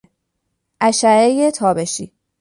اشعهی تابشی